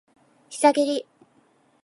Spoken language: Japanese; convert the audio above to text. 膝蹴り